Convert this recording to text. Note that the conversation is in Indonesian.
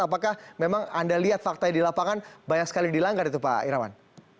apakah memang anda lihat faktanya di lapangan banyak sekali yang dilanggar itu pak irawan